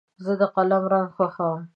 زه د قلم رنګ خوښوم.